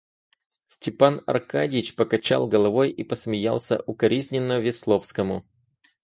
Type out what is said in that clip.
Степан Аркадьич покачал головой и посмеялся укоризненно Весловскому.